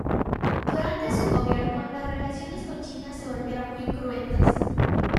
Durante su gobierno, las relaciones con China se volvieron muy cruentas.